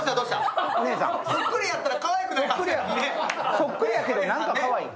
そっくり「だけど」なんかかわいい？